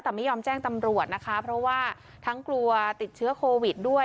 แต่ไม่ยอมแจ้งตำรวจนะคะเพราะว่าทั้งกลัวติดเชื้อโควิดด้วย